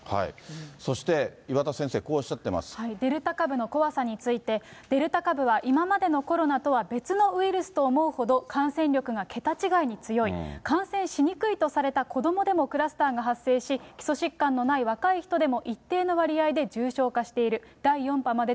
そして、岩田先生、こうおっデルタ株の怖さについて、デルタ株は今までのコロナとは別のウイルスと思うほど、感染力が桁違いに強い、感染しにくいとされた子どもでもクラスターが発生し、基礎疾患のない若い人でも一定の割合で重症化している。